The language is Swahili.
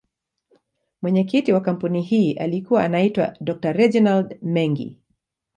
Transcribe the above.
Mwenyekiti wa kampuni hii alikuwa anaitwa Dr.Reginald Mengi.